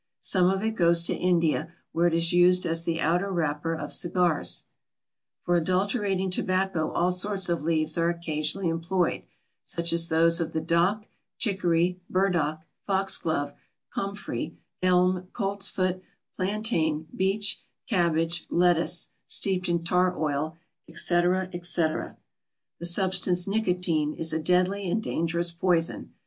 Some of it goes to India, where it is used as the outer wrapper of cigars. Dunning, Tobacco, 1876. For adulterating tobacco all sorts of leaves are occasionally employed, such as those of the dock, chicory, burdock, foxglove, comfrey, elm, coltsfoot, plantain, beech, cabbage, lettuce (steeped in tar oil), etc., etc. The substance nicotine is a deadly and dangerous poison.